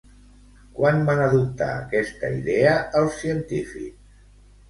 Quan van adoptar aquesta idea els científics?